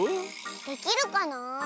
できるかな？